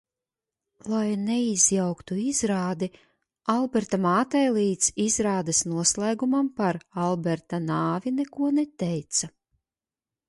Lai neizjauktu izrādi, Alberta mātei līdz izrādes noslēgumam par Alberta nāvi neko neteica.